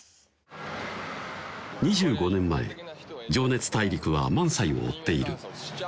２５年前「情熱大陸」は萬斎を追っている